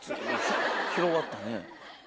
広がったね。